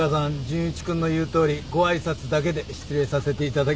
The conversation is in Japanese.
純一君の言うとおりご挨拶だけで失礼させていただきます。